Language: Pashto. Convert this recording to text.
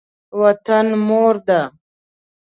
وطن مور ده.